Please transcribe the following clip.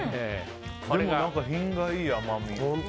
でも、品がいい甘み。